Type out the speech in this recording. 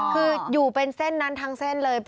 คืออยู่เป็นเส้นนั้นทั้งเส้นเลย